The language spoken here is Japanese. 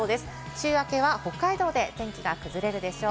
週明けは北海道で天気が崩れるでしょう。